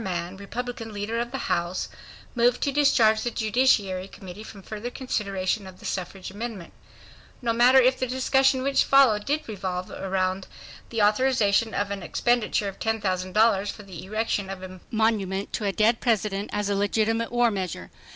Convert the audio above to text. Mann, Republican leader of the House, moved to discharge the Judiciary Committee from further consideration of the suffrage amendment. No matter if the discussion which followed did revolve about the authorization of an expenditure of $10,000 for the erection of a monument to a dead President as a legitimate war measure.